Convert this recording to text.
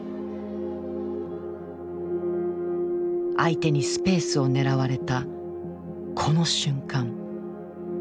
相手にスペースを狙われたこの瞬間。